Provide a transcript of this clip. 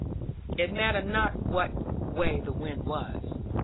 It mattered not what way the wind was.